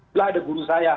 belah ada guru saya